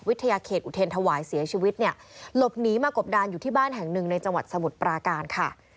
เขตอุเทรนธวายเสียชีวิตเนี่ยหลบหนีมากบดานอยู่ที่บ้านแห่งหนึ่งในจังหวัดสมุทรปราการค่ะ